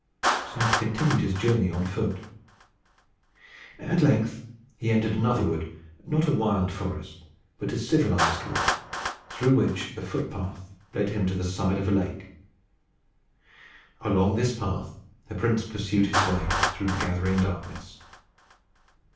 So he continued his journey on foot. At length he entered another wood not a wild forest, but a civilized wood, through which a footpath led him to the side of a lake. Along this path the prince pursued his way through the gathering darkness.